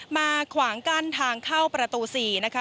ขวางกั้นทางเข้าประตู๔นะคะ